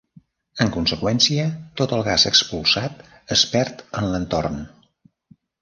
En conseqüència, tot el gas expulsat es perd en l'entorn.